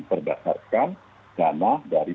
berdasarkan dana dari